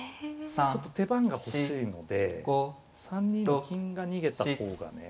ちょっと手番が欲しいので３二の金が逃げた方がね。